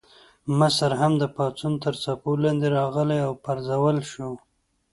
مصر هم د پاڅون تر څپو لاندې راغی او وپرځول شو.